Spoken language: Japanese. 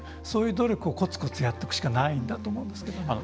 そういう努力をこつこつやっていくしかないんだと思うんですけれども。